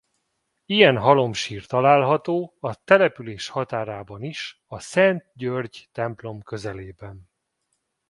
Ilyen halomsír található a település határában is a Szent György templom közelében.